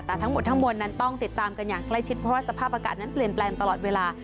แต่ทั้งหมดทั้งมวลนั้นต้องติดตามกันอย่างใกล้ชิดเพราะว่าสภาพอากาศนั้นเปลี่ยนแปลงตลอดเวลา